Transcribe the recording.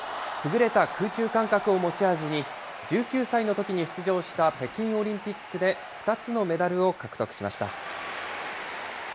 優れた空中感覚を持ち味に、１９歳のときに出場した北京オリンピックで、２つのメダルを獲得しました。